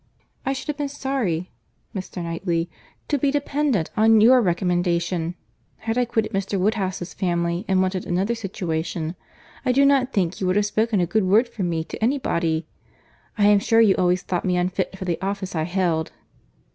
"I should have been sorry, Mr. Knightley, to be dependent on your recommendation, had I quitted Mr. Woodhouse's family and wanted another situation; I do not think you would have spoken a good word for me to any body. I am sure you always thought me unfit for the office I held."